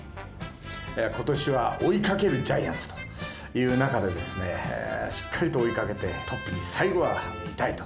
ことしは追いかけるジャイアンツという中で、しっかりと追いかけて、トップに最後はいたいと。